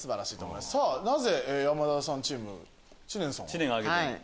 なぜ山田さんチームは知念さん。